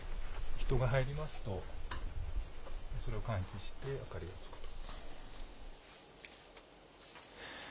人が入りますと、それを感知して、明かりがつくと。